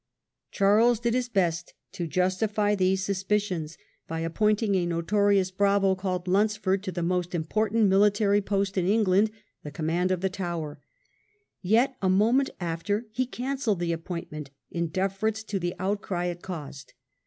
Charles did his best to justify these suspicions by appointing a notorious bravo called Luns ford to the most important military post in England, the command of the Tower ; yet, a moment after, he cancelled the appointment in deference to the outcry it caused.